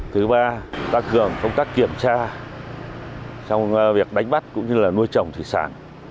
thứ ba tăng cường công tác kiểm tra trong việc đánh bắt cũng như nuôi trồng thủy sản